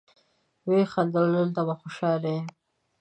ويې خندل: دلته به خوشاله يې.